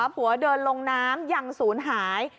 ผัวเดินลงน้ำยังศูนย์หาย